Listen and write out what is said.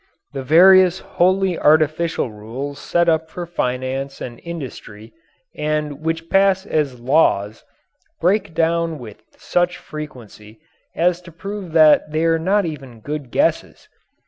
The various wholly artificial rules set up for finance and industry and which pass as "laws" break down with such frequency as to prove that they are not even good guesses.